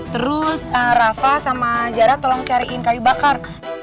terus rafa sama jarah tolong cariin kayu bakar